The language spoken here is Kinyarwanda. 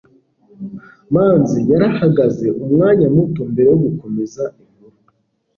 manzi yarahagaze umwanya muto mbere yo gukomeza inkuru